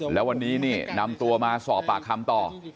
แล้ววันนี้นี่นำตัวมาสอบปากคำต่อ